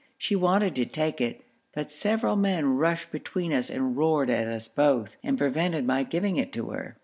She wanted to take it, but several men rushed between us and roared at us both, and prevented my giving it to her.